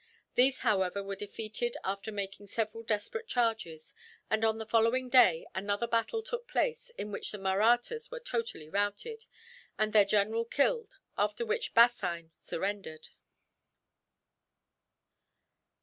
These, however, were defeated after making several desperate charges; and on the following day another battle took place, in which the Mahrattas were totally routed, and their general killed, after which Bassein surrendered.